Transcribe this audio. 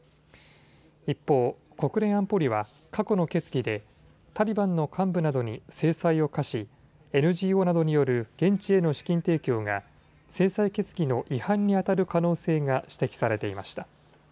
一方、国連安保理は過去の決議でタリバンの幹部などに制裁を科しＮＧＯなどによる現地への資金提供が制裁決議の違反に当たる可能性が指摘されていました。